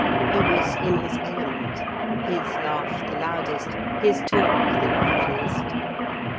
He was in his element, his laugh the loudest, his talk the liveliest.